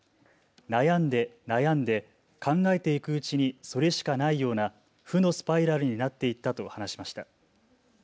悩んで悩んで考えていくうちにそれしかないような負のスパイラルになっていったと話しました。